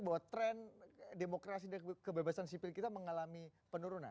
bahwa tren demokrasi dan kebebasan sipil kita mengalami penurunan